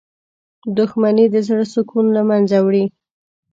• دښمني د زړه سکون له منځه وړي.